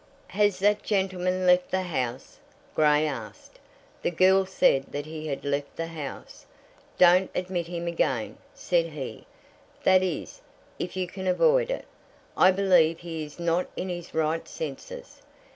"Has that gentleman left the house?" Grey asked. The girl said that he had left the house. "Don't admit him again," said he; "that is, if you can avoid it. I believe he is not in his right senses."